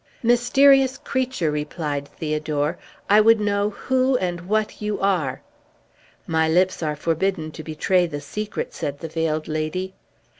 "Mysterious creature," replied Theodore, "I would know who and what you are!" "My lips are forbidden to betray the secret," said the Veiled Lady.